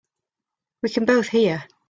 We can both hear.